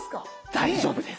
大丈夫です。